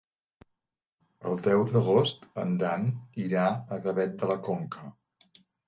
El deu d'agost en Dan irà a Gavet de la Conca.